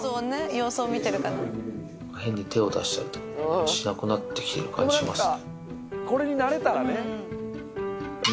変に手を出したりしなくなってきてる感じしますね。